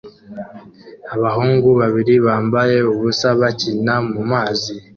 Abahungu babiri bambaye ubusa bakina mumazi